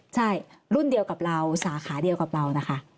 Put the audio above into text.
ใช่รุ่นเดียวกับเราสาขาเดียวกับเรานะคะ